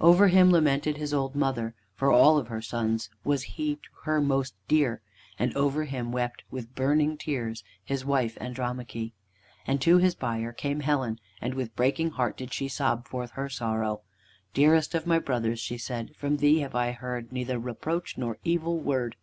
Over him lamented his old mother, for of all her sons was he to her most dear, and over him wept, with burning tears, his wife Andromache. And to his bier came Helen, and with breaking heart did she sob forth her sorrow: "Dearest of my brothers," she said, "from thee have I heard neither reproach nor evil word.